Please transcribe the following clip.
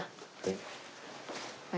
はい。